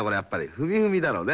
「ふみふみ」だろうね。